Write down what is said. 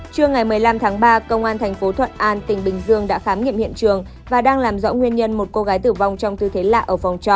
trưa ngày một mươi năm tháng ba công an thành phố thuận an tỉnh bình dương đã khám nghiệm hiện trường và đang làm rõ nguyên nhân một cô gái tử vong trong tư thế lạ ở phòng trọ